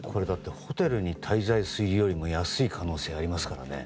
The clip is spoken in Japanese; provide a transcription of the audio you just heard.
ホテルに滞在するよりも安い可能性がありますからね。